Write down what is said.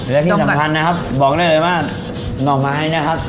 และที่สำคัญนะครับบอกได้เลยว่าหน่อไม้นะครับ